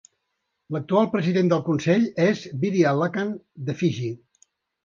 L'actual president del Consell és Vidhya Lakhan de Fiji.